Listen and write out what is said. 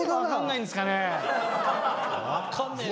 「分かんねぇな」。